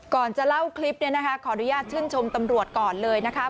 ก่อนจะเล่าคลิปเนี่ยนะคะขออนุญาตชื่นชมตำรวจก่อนเลยนะคะ